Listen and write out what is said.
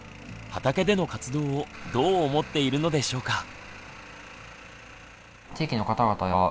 畑での活動をどう思っているのでしょうか。